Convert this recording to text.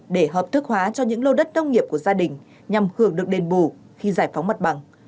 để hợp thức hóa cho những lô đất nông nghiệp của gia đình nhằm hưởng được đền bù khi giải phóng mặt bằng